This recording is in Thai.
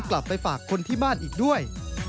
กลับไปฝากคนที่บ้านอีกด้วย